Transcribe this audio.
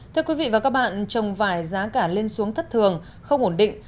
thưa quý vị và các bạn trồng vải giá cả lên xuống thất thường không ổn định